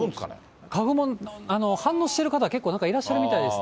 花粉も、反応してる方、結構いらっしゃるみたいですね。